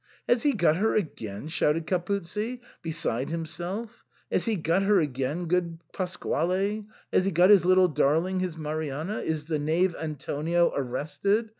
" Has he got her again ?" shouted Capuzzi, beside himself ;" has he got her again, good Pasquale ? Has he got his little darling, his Marianna ? Is the knave Antonio arrested